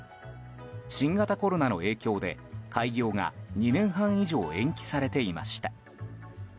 新型コロナの影響で開業が２年半以上延期されていました。